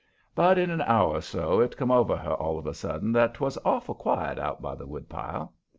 But in an hour or so it come over her all of a sudden that 'twas awful quiet out by the woodpile.